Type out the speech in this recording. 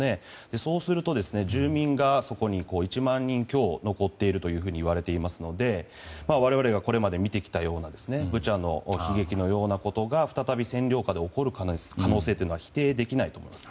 そうすると、住民が１万人強残っているといわれていますので我々がこれまで見てきたようなブチャの悲劇のようなことが再び占領下で起こる可能性というのは否定できないと思います。